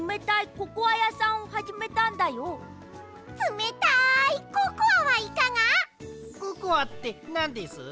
ココアってなんです？